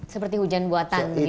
seperti hujan buatan gitu